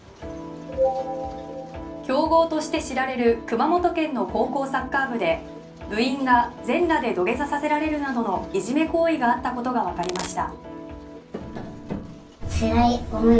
強豪として知られる熊本県の高校サッカー部で部員が全裸で土下座させられるなどのいじめ行為があったことがわかりました。